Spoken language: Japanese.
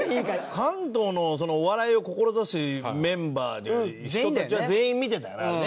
関東のお笑いを志すメンバー人たちは全員見てたよねあれね。